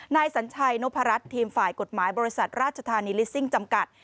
นายสัญชัยนพรัชทีมฝ่ายกฎหมายบริษัทราชธานีลิสซิ่งจำกัด